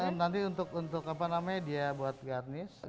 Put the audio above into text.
nanti untuk apa namanya dia buat garnish